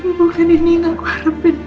tapi bukan ini yang aku harapkan pak